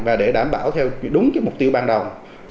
và để đảm bảo theo đúng mục tiêu ban đầu